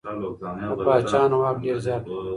د پاچاهانو واک ډېر زيات و.